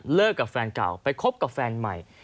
กับแฟนเก่าไปคบกับแฟนใหม่